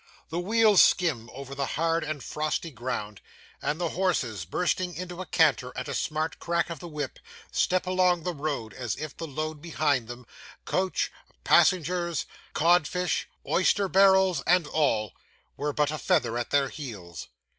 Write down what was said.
The wheels skim over the hard and frosty ground; and the horses, bursting into a canter at a smart crack of the whip, step along the road as if the load behind them coach, passengers, cod fish, oyster barrels, and all were but a feather at their heels.